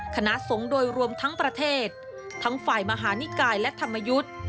คณะสงฆ์โดยรวมทั้งประเทศทั้งฝ่ายมหานิกายและธรรมยุทธ์